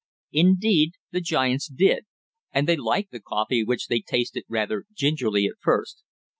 Indeed the giants did, and they liked the coffee which they tasted rather gingerly at first.